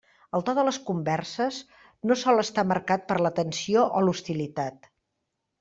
El to de les converses no sol estar marcat per la tensió o l'hostilitat.